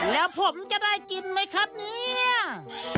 แล้วผมจะได้กินไหมครับเนี่ย